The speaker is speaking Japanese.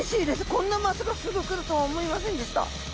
こんなまさかすぐ来るとは思いませんでした。